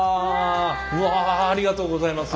わあありがとうございます。